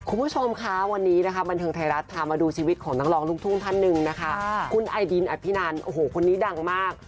คุณผู้ชมคะวันนี้บันทึงไทยรัฐพามาดูชีวิตของน้องร้องลุ้งทุ่งท่านหนึ่งคุณไอดินอภินานคนนี้ดังมาก